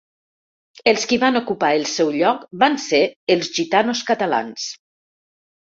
Els qui van ocupar el seu lloc van ser els gitanos catalans.